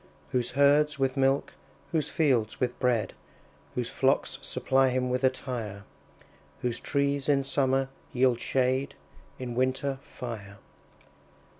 Whose herds with milk, whose fields with bread, Whose flocks supply him with attire; Whose trees in summer yield shade, In winter, fire.